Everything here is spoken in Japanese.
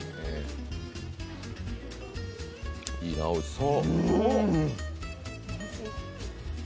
いいな、おいしそう。